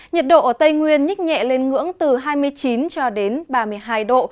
nhiệt độ ở tây nguyên nhích nhẹ lên ngưỡng từ hai mươi chín cho đến ba mươi hai độ